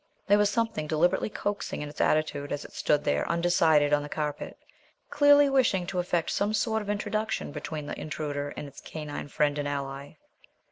There was something deliberately coaxing in its attitude as it stood there undecided on the carpet, clearly wishing to effect some sort of introduction between the Intruder and its canine friend and ally.